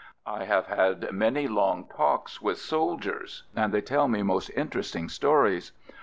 I have had many long talks with sol diers and they tell me most interesting stories.